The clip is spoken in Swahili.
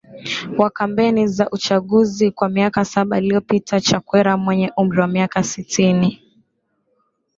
wa kampeni za uchaguziKwa miaka saba iliyopita Chakwera mwenye umri wa miaka sitini